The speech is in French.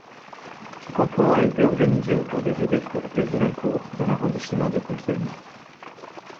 Ce canton a été organisé autour de Ribécourt-Dreslincourt dans l'arrondissement de Compiègne.